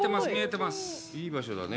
いい場所だね。